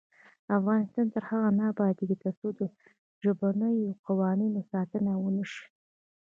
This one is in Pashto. افغانستان تر هغو نه ابادیږي، ترڅو د ژبنیو قوانینو ساتنه ونشي.